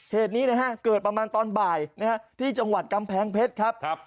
เหตุนี้นะฮะเกิดประมาณตอนบ่ายที่จังหวัดกำแพงเพชรครับ